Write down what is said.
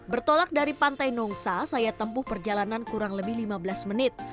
bertolak dari pantai nongsa saya tempuh perjalanan kurang lebih lima belas menit